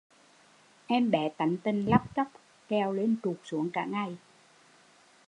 Em bé tánh tình lóc chóc, trèo lên trụt xuống cả ngày